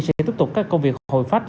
sẽ tiếp tục các công việc hồi phách